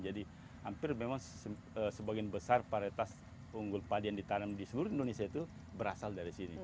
jadi hampir memang sebagian besar paritas unggul padi yang ditanam di seluruh indonesia itu berasal dari sini